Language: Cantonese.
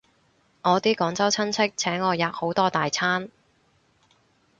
我啲廣州親戚請我吔好多大餐